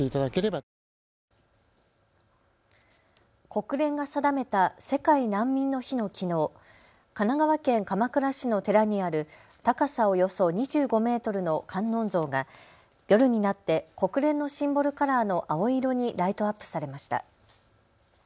国連が定めた世界難民の日のきのう、神奈川県鎌倉市の寺にある高さおよそ２５メートルの観音像が夜になって国連のシンボルカラーの青色にライトアップされました。